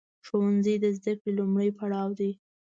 ښوونځی د زده کړې لومړنی پړاو دی.